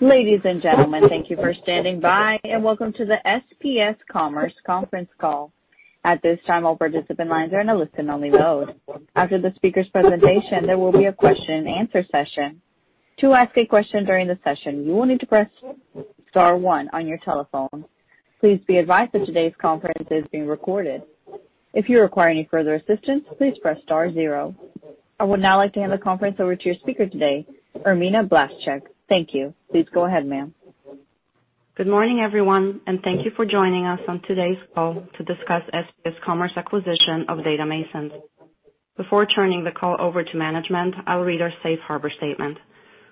Ladies and gentlemen, thank you for standing by, and welcome to the SPS Commerce conference call. At this time, all participant lines are in a listen-only mode. After the speaker's presentation, there will be a question and answer session. To ask a question during the session, you will need to press star one on your telephone. Please be advised that today's conference is being recorded. If you require any further assistance, please press star zero. I would now like to hand the conference over to your speaker today, Irmina Blaszczyk. Thank you. Please go ahead, ma'am. Good morning, everyone, and thank you for joining us on today's call to discuss SPS Commerce acquisition of DataMasons. Before turning the call over to management, I'll read our safe harbor statement.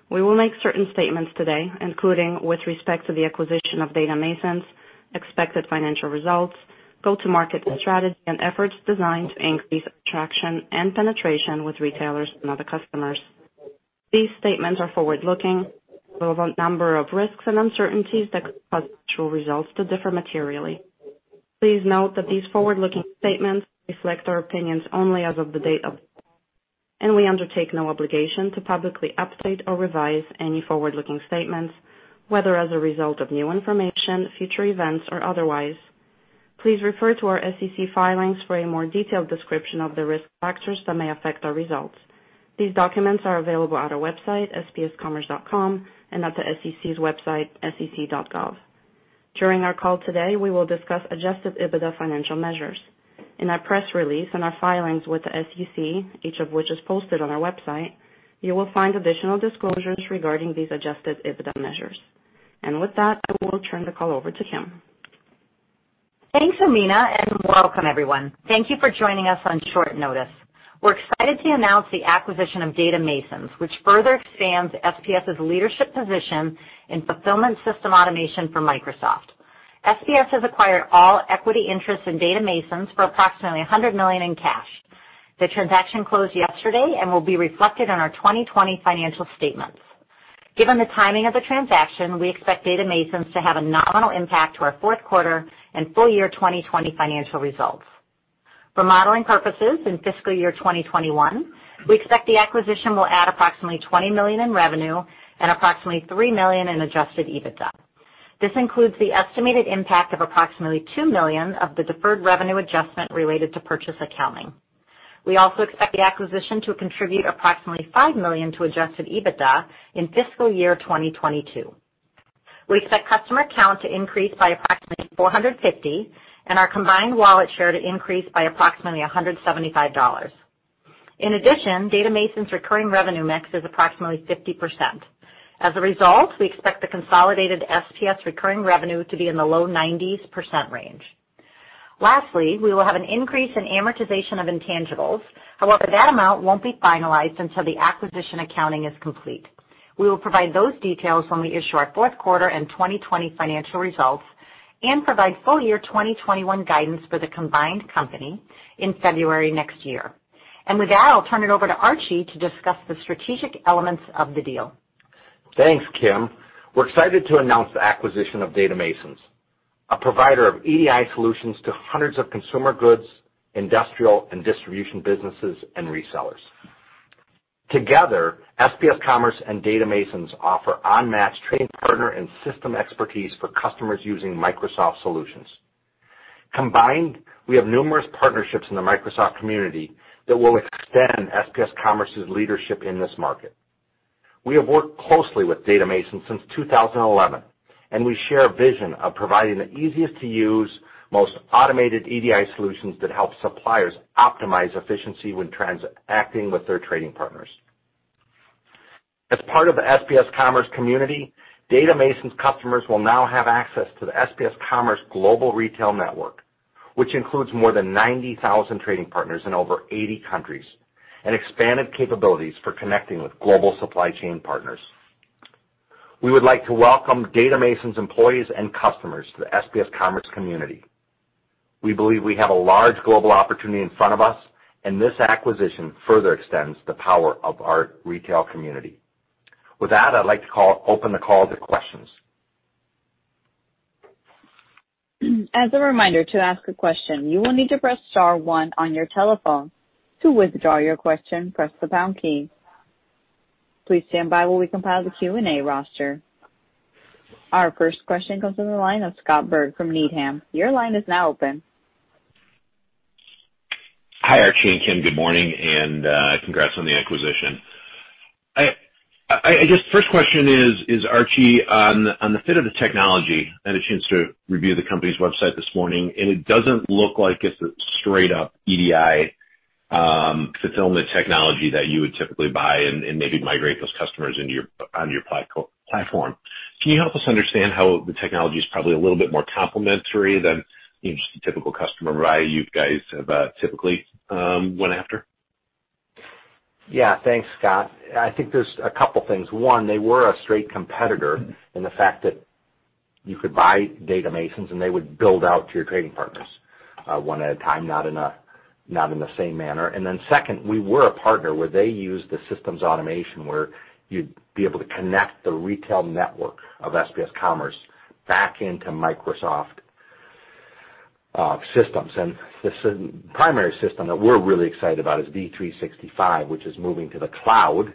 We will make certain statements today, including with respect to the acquisition of DataMasons, expected financial results, go-to-market strategy, and efforts designed to increase traction and penetration with retailers and other customers. These statements are forward-looking. There are a number of risks and uncertainties that could cause actual results to differ materially. Please note that these forward-looking statements reflect our opinions only as of the date of, and we undertake no obligation to publicly update or revise any forward-looking statements, whether as a result of new information, future events, or otherwise. Please refer to our SEC filings for a more detailed description of the risk factors that may affect our results. These documents are available at our website, spscommerce.com, and at the SEC's website, sec.gov. During our call today, we will discuss adjusted EBITDA financial measures. In our press release and our filings with the SEC, each of which is posted on our website, you will find additional disclosures regarding these adjusted EBITDA measures. With that, I will turn the call over to Kim. Thanks, Irmina, and welcome everyone. Thank you for joining us on short notice. We're excited to announce the acquisition of DataMasons, which further expands SPS's leadership position in fulfillment system automation for Microsoft. SPS has acquired all equity interests in DataMasons for approximately $100 million in cash. The transaction closed yesterday and will be reflected on our 2020 financial statements. Given the timing of the transaction, we expect DataMasons to have a nominal impact to our fourth quarter and full year 2020 financial results. For modeling purposes, in fiscal year 2021, we expect the acquisition will add approximately $20 million in revenue and approximately $3 million in adjusted EBITDA. This includes the estimated impact of approximately $2 million of the deferred revenue adjustment related to purchase accounting. We also expect the acquisition to contribute approximately $5 million to adjusted EBITDA in fiscal year 2022. We expect customer count to increase by approximately 450, and our combined wallet share to increase by approximately $175. In addition, DataMasons' recurring revenue mix is approximately 50%. As a result, we expect the consolidated SPS recurring revenue to be in the low 90s% range. Lastly, we will have an increase in amortization of intangibles. However, that amount won't be finalized until the purchase accounting is complete. We will provide those details when we issue our fourth quarter and 2020 financial results and provide full year 2021 guidance for the combined company in February next year. With that, I'll turn it over to Archie to discuss the strategic elements of the deal. Thanks, Kim. We're excited to announce the acquisition of DataMasons, a provider of EDI solutions to hundreds of consumer goods, industrial, and distribution businesses and resellers. Together, SPS Commerce and DataMasons offer unmatched trading partner and system expertise for customers using Microsoft solutions. Combined, we have numerous partnerships in the Microsoft community that will extend SPS Commerce's leadership in this market. We have worked closely with DataMasons since 2011, and we share a vision of providing the easiest to use, most automated EDI solutions that help suppliers optimize efficiency when transacting with their trading partners. As part of the SPS Commerce community, DataMasons customers will now have access to the SPS Commerce global retail network, which includes more than 90,000 trading partners in over 80 countries and expanded capabilities for connecting with global supply chain partners. We would like to welcome DataMasons employees and customers to the SPS Commerce community. We believe we have a large global opportunity in front of us, and this acquisition further extends the power of our retail community. With that, I'd like to open the call to questions. As a reminder, to ask a question, you will need to press star one on your telephone. To withdraw your question, press the pound key. Please stand by while we compile the Q&A roster. Our first question comes from the line of Scott Berg from Needham. Your line is now open. Hi, Archie and Kim, good morning, and congrats on the acquisition. First question is, Archie, on the fit of the technology, I had a chance to review the company's website this morning, and it doesn't look like it's a straight up EDI fulfillment technology that you would typically buy and maybe migrate those customers onto your platform. Can you help us understand how the technology is probably a little bit more complementary than just the typical customer variety you guys have typically went after? Thanks, Scott. I think there's a couple things. One, they were a straight competitor in the fact that you could buy DataMasons, and they would build out to your trading partners one at a time, not in the same manner. Then second, we were a partner where they used the systems automation where you'd be able to connect the retail network of SPS Commerce back into Microsoft systems. The primary system that we're really excited about is D365, which is moving to the cloud,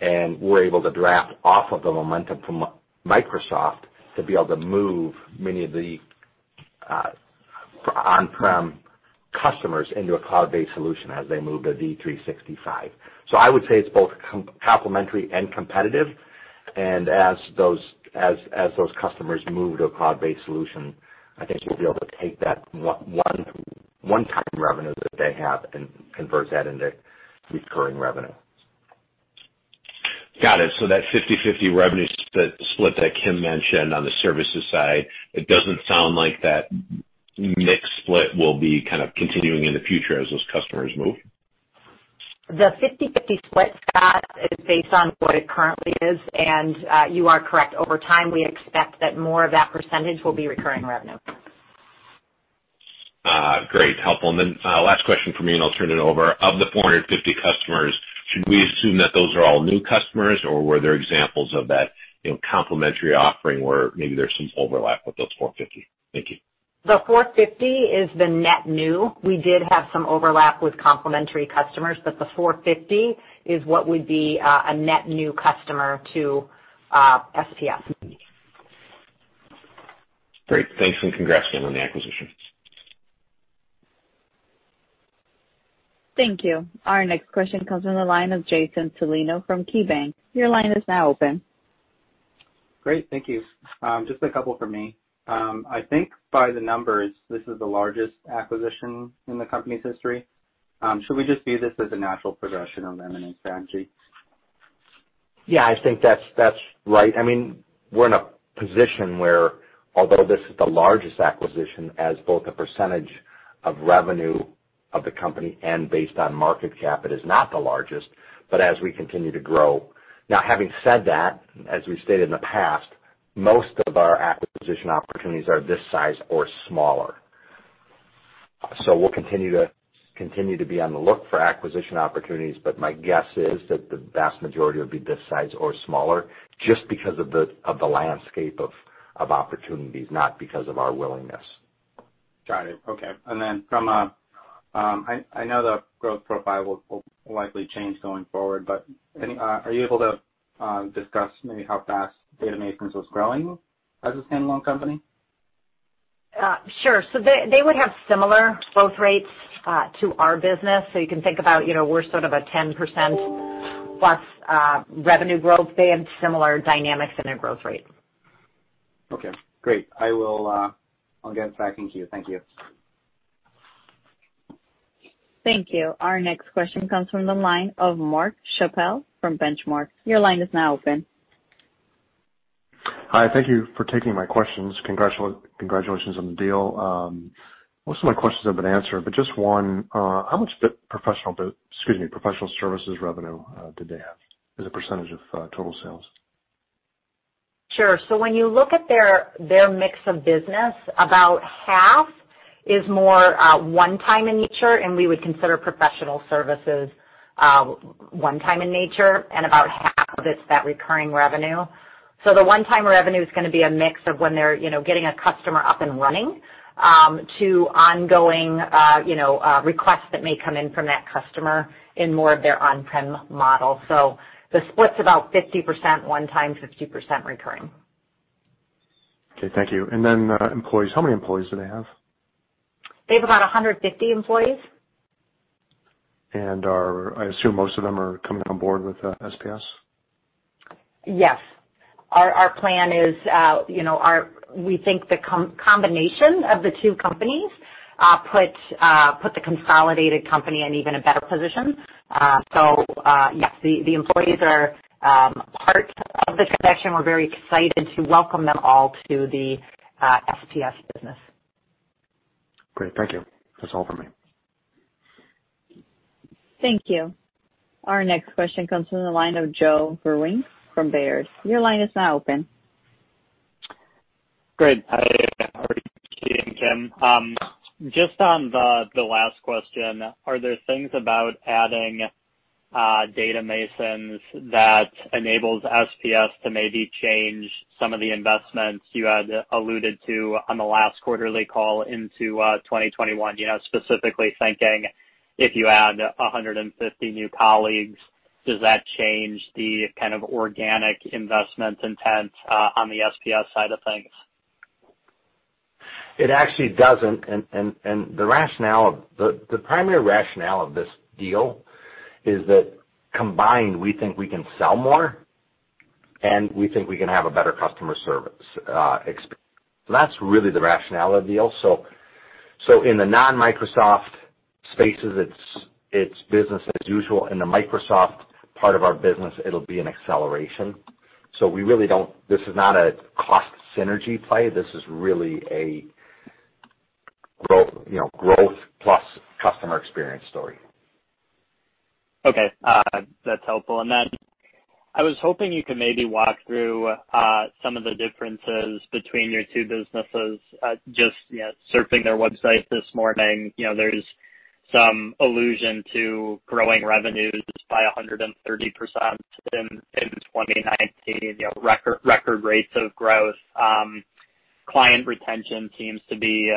and we're able to draft off of the momentum from Microsoft to be able to move many of the on-prem customers into a cloud-based solution as they move to D365. I would say it's both complementary and competitive, and as those customers move to a cloud-based solution, I think we'll be able to take that one-time revenue that they have and convert that into recurring revenue. Got it. That 50-50 revenue split that Kim mentioned on the services side, it doesn't sound like that mix split will be kind of continuing in the future as those customers move. The 50-50 split, Scott, is based on what it currently is, and you are correct. Over time, we expect that more of that percentage will be recurring revenue. Great. Helpful. Last question from me, and I'll turn it over. Of the 450 customers, should we assume that those are all new customers or were there examples of that complimentary offering where maybe there's some overlap with those 450? Thank you. The 450 is the net new. We did have some overlap with complimentary customers, but the 450 is what would be a net new customer to SPS. Great. Thanks, congrats again on the acquisition. Thank you. Our next question comes from the line of Jason Celino from KeyBanc. Your line is now open. Great. Thank you. Just a couple from me. I think by the numbers, this is the largest acquisition in the company's history. Should we just view this as a natural progression of M&A strategy? Yeah, I think that's right. We're in a position where, although this is the largest acquisition as both a percentage of revenue of the company and based on market cap, it is not the largest, but as we continue to grow. Having said that, as we've stated in the past, most of our acquisition opportunities are this size or smaller. We'll continue to be on the look for acquisition opportunities, but my guess is that the vast majority will be this size or smaller just because of the landscape of opportunities, not because of our willingness. Got it. Okay. I know the growth profile will likely change going forward, but are you able to discuss maybe how fast DataMasons was growing as a standalone company? Sure. They would have similar growth rates to our business. You can think about we're sort of a 10%-plus revenue growth band, similar dynamics in their growth rate. Okay, great. I will get back in queue. Thank you. Thank you. Our next question comes from the line of Mark Chappell from Benchmark. Your line is now open. Hi, thank you for taking my questions. Congratulations on the deal. Most of my questions have been answered, but just one. How much professional services revenue did they have as a percentage of total sales? Sure. When you look at their mix of business, about half is more one-time in nature, and we would consider professional services one-time in nature, and about half of it's that recurring revenue. The one-time revenue is going to be a mix of when they're getting a customer up and running to ongoing requests that may come in from that customer in more of their on-prem model. The split's about 50% one-time, 50% recurring. Okay, thank you. Then employees, how many employees do they have? They have about 150 employees. I assume most of them are coming on board with SPS? Yes. Our plan is we think the combination of the two companies put the consolidated company in even a better position. Yes, the employees are part of the transaction. We're very excited to welcome them all to the SPS business. Great, thank you. That's all for me. Thank you. Our next question comes from the line of Joe Vruwink from Baird. Your line is now open. Great. How are you, Keith and Kim? Just on the last question, are there things about adding DataMasons that enables SPS to maybe change some of the investments you had alluded to on the last quarterly call into 2021? Specifically thinking if you add 150 new colleagues, does that change the kind of organic investment intent on the SPS side of things? It actually doesn't. The primary rationale of this deal is that combined, we think we can sell more, and we think we can have a better customer service experience. That's really the rationale of the deal. In the non-Microsoft spaces, it's business as usual. In the Microsoft part of our business, it'll be an acceleration. This is not a cost synergy play. This is really a growth plus customer experience story. Okay, that's helpful. I was hoping you could maybe walk through some of the differences between your two businesses. Just surfing their website this morning, there's some allusion to growing revenues by 130% in 2019, record rates of growth. Client retention seems to be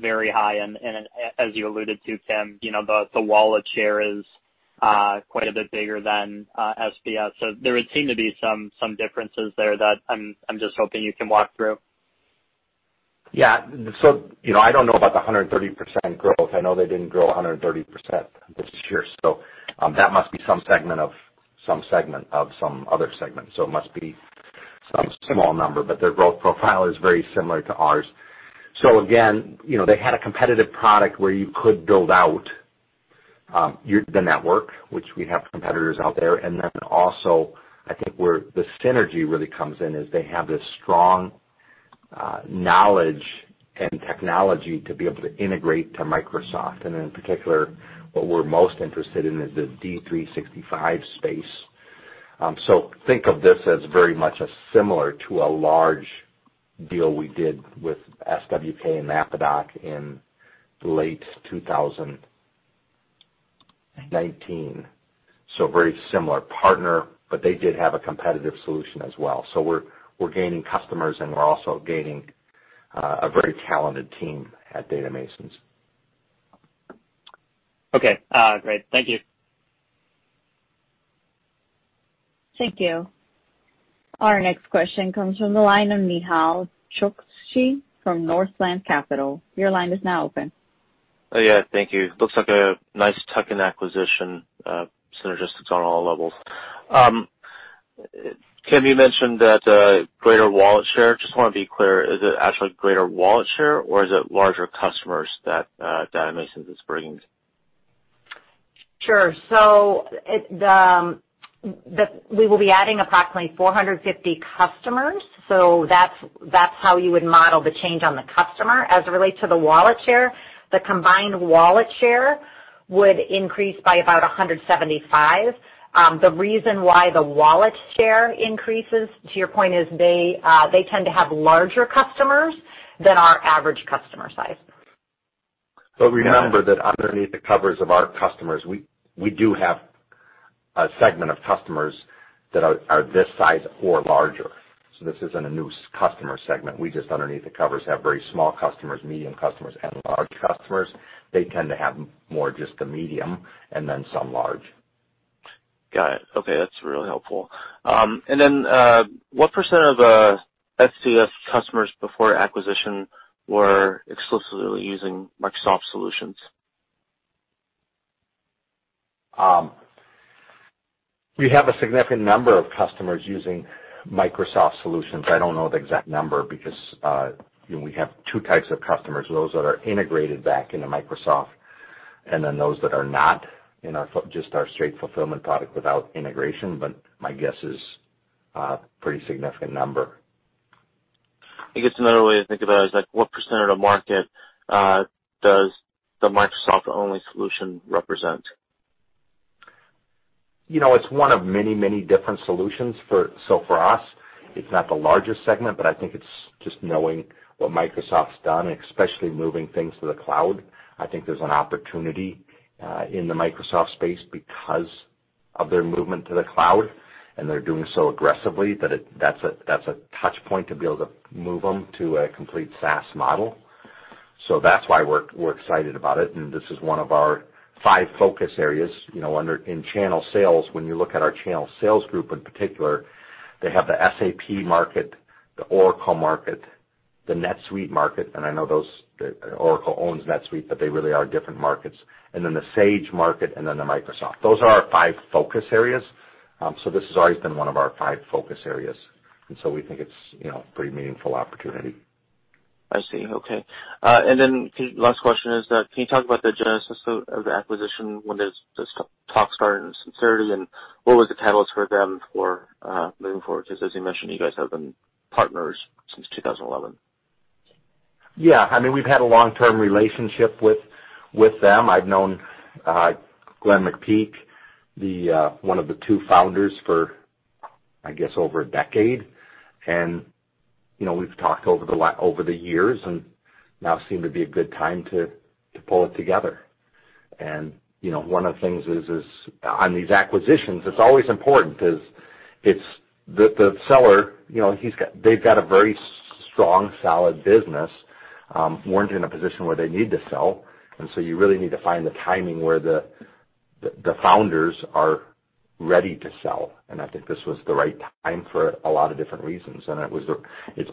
very high, and as you alluded to, Kim, the wallet share is quite a bit bigger than SPS. There would seem to be some differences there that I'm just hoping you can walk through. Yeah. I don't know about the 130% growth. I know they didn't grow 130% this year, that must be some segment of some other segment. It must be some small number. Their growth profile is very similar to ours. Again, they had a competitive product where you could build out the network, which we have competitors out there. Also, I think where the synergy really comes in is they have this strong knowledge and technology to be able to integrate to Microsoft. In particular, what we're most interested in is the D365 space. Think of this as very much as similar to a large deal we did with SWK and MAPADOC in late 2019. Very similar partner, but they did have a competitive solution as well. We're gaining customers, and we're also gaining a very talented team at DataMasons. Okay. Great. Thank you. Thank you. Our next question comes from the line of Nehal Chokshi from Northland Capital. Your line is now open. Yeah, thank you. Looks like a nice tuck-in acquisition. Synergies on all levels. Kim, you mentioned that greater wallet share. Just want to be clear, is it actually greater wallet share, or is it larger customers that DataMasons is bringing? Sure. We will be adding approximately 450 customers. That's how you would model the change on the customer. As it relates to the wallet share, the combined wallet share would increase by about 175. The reason why the wallet share increases, to your point, is they tend to have larger customers than our average customer size. Remember that underneath the covers of our customers, we do have a segment of customers that are this size or larger. This isn't a new customer segment. We just, underneath the covers, have very small customers, medium customers, and large customers. They tend to have more just the medium and then some large. Got it. Okay, that's really helpful. What % of SPS customers before acquisition were exclusively using Microsoft solutions? We have a significant number of customers using Microsoft solutions. I don't know the exact number because we have two types of customers, those that are integrated back into Microsoft and then those that are not in just our straight fulfillment product without integration. My guess is a pretty significant number. I guess another way to think about it is like, what % of the market does the Microsoft-only solution represent? It's one of many, many different solutions. For us, it's not the largest segment, but I think it's just knowing what Microsoft's done, especially moving things to the cloud. I think there's an opportunity in the Microsoft space because of their movement to the cloud, and they're doing so aggressively that that's a touch point to be able to move them to a complete SaaS model. That's why we're excited about it, and this is one of our five focus areas in channel sales. When you look at our channel sales group in particular, they have the SAP market, the Oracle market, the NetSuite market, and I know Oracle owns NetSuite, but they really are different markets. The Sage market, and then the Microsoft. Those are our five focus areas. This has always been one of our five focus areas, we think it's a pretty meaningful opportunity. I see. Okay. Last question is that can you talk about the genesis of the acquisition when this talk started in sincerity, what was the catalyst for them for moving forward? As you mentioned, you guys have been partners since 2011. Yeah. I mean, we've had a long-term relationship with them. I've known Glenn McPeak, one of the two founders, for I guess, over a decade. We've talked over the years, now seemed to be a good time to pull it together. One of the things is on these acquisitions, it's always important because the seller, they've got a very strong, solid business, weren't in a position where they need to sell, you really need to find the timing where the founders are ready to sell. I think this was the right time for a lot of different reasons. It's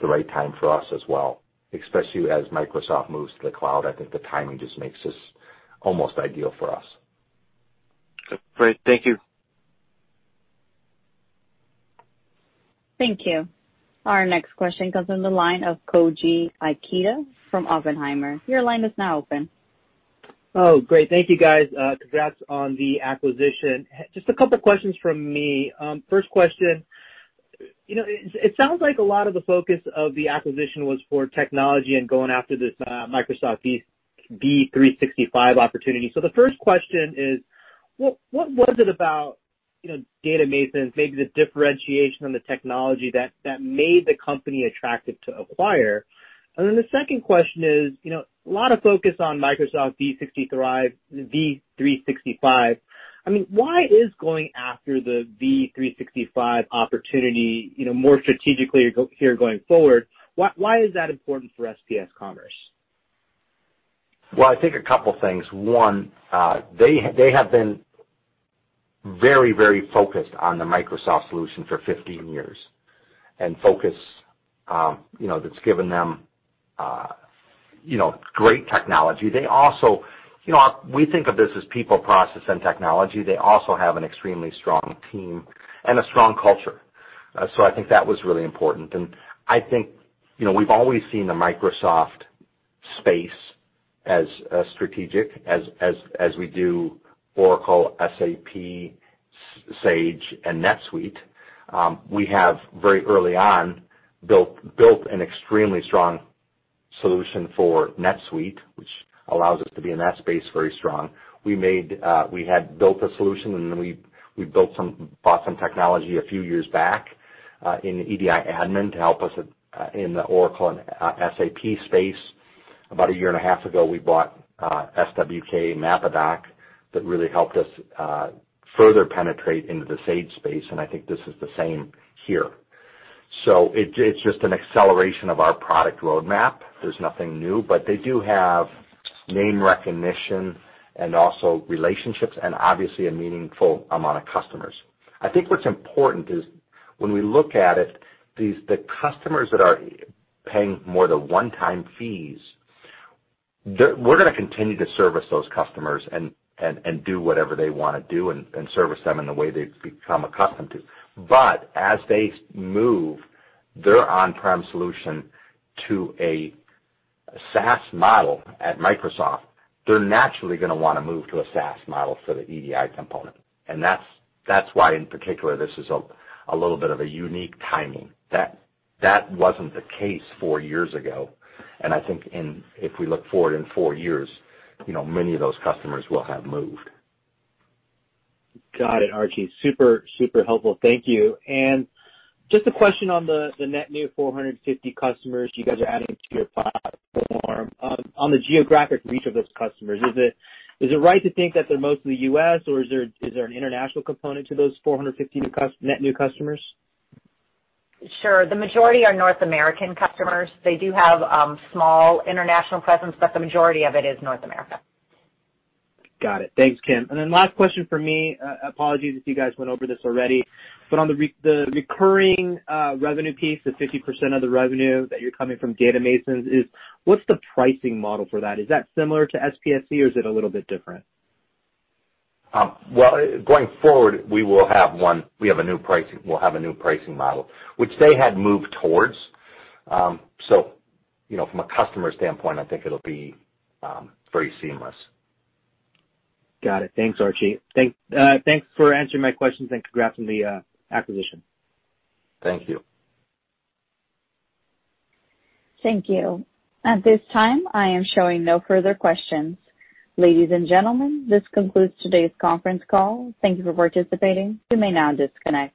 the right time for us as well, especially as Microsoft moves to the cloud. I think the timing just makes this almost ideal for us. Great. Thank you. Thank you. Our next question comes in the line of Koji Ikeda from Oppenheimer. Your line is now open. Great. Thank you, guys. Congrats on the acquisition. Just a couple questions from me. First question, it sounds like a lot of the focus of the acquisition was for technology and going after this Microsoft D365 opportunity. The first question is, what was it about DataMasons, maybe the differentiation on the technology that made the company attractive to acquire. The second question is, a lot of focus on Microsoft D365. Why is going after the D365 opportunity more strategically here going forward, why is that important for SPS Commerce? Well, I think a couple things. One, they have been very focused on the Microsoft solution for 15 years, and focus that's given them great technology. We think of this as people, process, and technology. They also have an extremely strong team and a strong culture. I think that was really important, and I think we've always seen the Microsoft space as strategic as we do Oracle, SAP, Sage, and NetSuite. We have very early on built an extremely strong solution for NetSuite, which allows us to be in that space very strong. We had built a solution, we bought some technology a few years back in EDIAdmin to help us in the Oracle and SAP space. About a year and a half ago, we bought SWK MAPADOC that really helped us further penetrate into the Sage space, and I think this is the same here. It's just an acceleration of our product roadmap. There's nothing new. They do have name recognition and also relationships and obviously a meaningful amount of customers. I think what's important is when we look at it, the customers that are paying more the one-time fees, we're going to continue to service those customers and do whatever they want to do and service them in the way they've become accustomed to. As they move their on-prem solution to a SaaS model at Microsoft, they're naturally going to want to move to a SaaS model for the EDI component. That's why in particular, this is a little bit of a unique timing. That wasn't the case four years ago. I think if we look forward in four years, many of those customers will have moved. Got it, Archie. Super helpful. Thank you. Just a question on the net new 450 customers you guys are adding to your platform. On the geographic reach of those customers, is it right to think that they're mostly U.S., or is there an international component to those 450 net new customers? Sure. The majority are North American customers. They do have small international presence. The majority of it is North America. Got it. Thanks, Kim. Last question for me, apologies if you guys went over this already. On the recurring revenue piece, the 50% of the revenue that you're coming from DataMasons, what's the pricing model for that? Is that similar to SPS or is it a little bit different? Well, going forward, we'll have a new pricing model, which they had moved towards. From a customer standpoint, I think it'll be very seamless. Got it. Thanks, Archie. Thanks for answering my questions, and congrats on the acquisition. Thank you. Thank you. At this time, I am showing no further questions. Ladies and gentlemen, this concludes today's conference call. Thank you for participating. You may now disconnect.